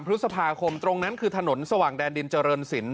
พฤษภาคมตรงนั้นคือถนนสว่างแดนดินเจริญสิน